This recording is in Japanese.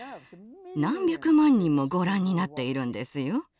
何百万人もご覧になっているんですよ。